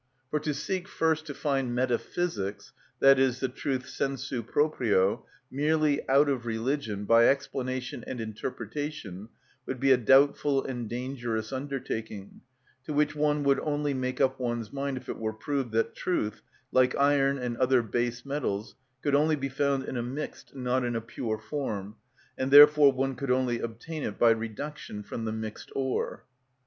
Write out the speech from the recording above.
For to seek first to find metaphysics, i.e., the truth sensu proprio, merely out of religion by explanation and interpretation would be a doubtful and dangerous undertaking, to which one would only make up one's mind if it were proved that truth, like iron and other base metals, could only be found in a mixed, not in a pure form, and therefore one could only obtain it by reduction from the mixed ore.